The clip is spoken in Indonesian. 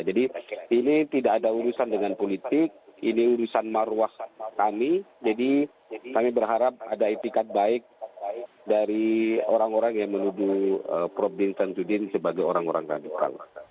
jadi ini tidak ada urusan dengan politik ini urusan maruah kami jadi kami berharap ada itikat baik dari orang orang yang menuju prof din syamsuddin sebagai orang orang radikal